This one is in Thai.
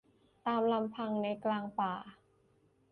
ตามลำพังในกลางป่า